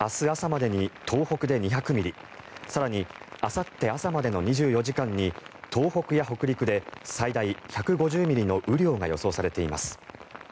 明日朝までに東北で２００ミリ更にあさって朝までの２４時間に東北や北陸で最大１５０ミリの雨量が予想されています。